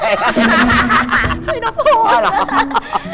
ไม่ต้องพูด